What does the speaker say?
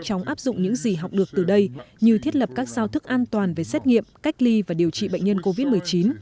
chóng áp dụng những gì học được từ đây như thiết lập các giao thức an toàn về xét nghiệm cách ly và điều trị bệnh nhân covid một mươi chín